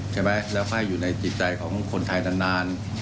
ใช่ไหมแล้วไข้อยู่ในจิตใจของคนไทยนาน